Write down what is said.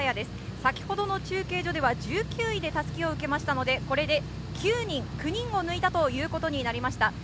先ほどの中継所では１９位で襷を受けたので、これで９人抜いたということになりました。